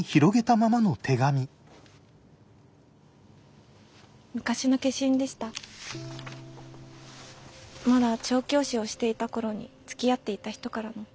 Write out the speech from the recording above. まだ調教師をしていた頃につきあっていた人からの。